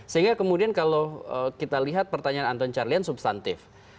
sehingga kemudian kalau kita lihat pertanyaan anton carlyan substantif